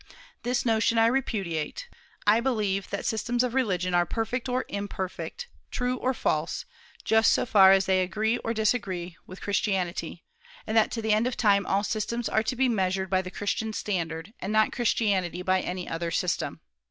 This notion I repudiate. I believe that systems of religion are perfect or imperfect, true or false, just so far as they agree or disagree with Christianity; and that to the end of time all systems are to be measured by the Christian standard, and not Christianity by any other system.